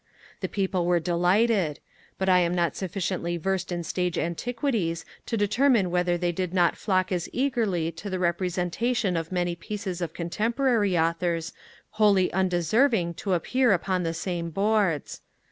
The people were delighted: but I am not sufficiently versed in stage antiquities to determine whether they did not flock as eagerly to the representation of many pieces of contemporary Authors, wholly undeserving to appear upon the same boards.